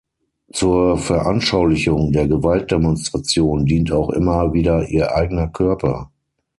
Zur Veranschaulichung der Gewalt-Demonstration dient auch immer wieder ihr eigener Körper.